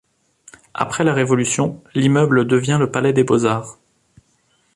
Après la Révolution, l'immeuble devient le Palais des Beaux-Arts.